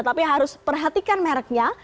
tapi harus perhatikan mereknya